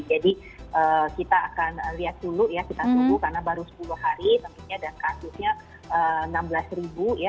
jadi kita akan lihat dulu ya kita tunggu karena baru sepuluh hari dan kasusnya enam belas ya